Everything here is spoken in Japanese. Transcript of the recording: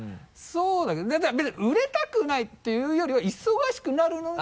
そうだけど別に売れたくないっていうよりは忙しくなるのが。